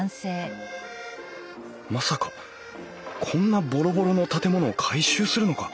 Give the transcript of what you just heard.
まさかこんなボロボロの建物を改修するのか？